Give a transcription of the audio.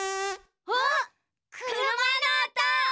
あっくるまのおと！